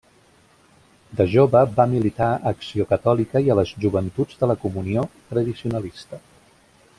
De jove va militar a Acció Catòlica i a les Joventuts de la Comunió Tradicionalista.